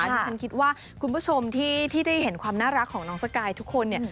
ที่ฉันคิดว่าคุณผู้ชมที่ได้เห็นความน่ารักของน้องสกายทุกคนเนี่ย